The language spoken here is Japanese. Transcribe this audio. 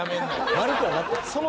丸くはなったの？